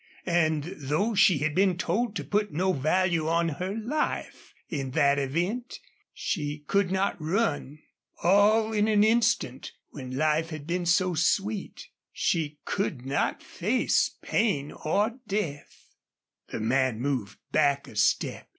And though she had been told to put no value on her life, in that event, she could not run. All in an instant when life had been so sweet she could not face pain or death. The man moved back a step.